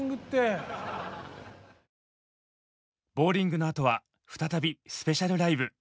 ボウリングのあとは再びスペシャルライブ！